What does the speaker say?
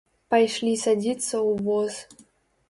Пайшлі садзіцца ў воз.